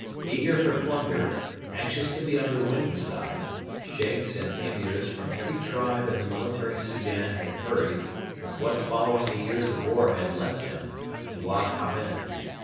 Eager for plunder, anxious to be on the winning side, Sheikhs and Emirs from every tribe in the Military Soudan had hurried, with what following the years of war had left them, to Wad Hamed.